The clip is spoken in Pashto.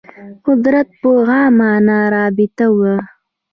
قدرت په عامه معنا رابطه وه